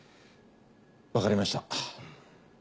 わかりました。